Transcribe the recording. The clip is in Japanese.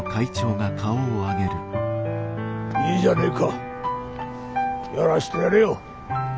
いいじゃねえかやらしてやれよ。